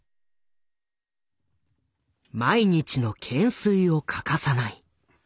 毎日の懸垂を欠かさない。